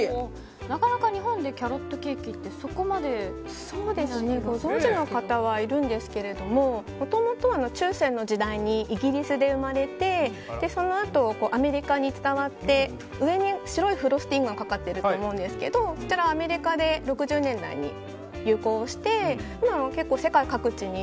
なかなか日本でキャロットケーキってご存じの方はいるんですけどもともとは中世の時代にイギリスで生まれてそのあとアメリカに伝わって上に白いものがかかっていると思うんですけどアメリカで６０年代に結構、世界各地に。